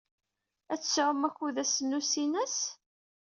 Ad tesɛum akud ass n usinas?